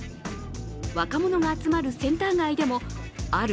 若者が集まるセンター街でもある